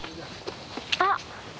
あっ！